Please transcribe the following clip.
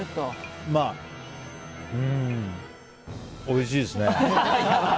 うんおいしいですね。